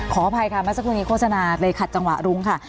ขออภัยค่ะเมื่อสักครู่นี้โฆษณาเลยขัดจังหวะรุ้งค่ะ